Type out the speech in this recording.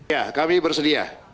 ya kami bersedia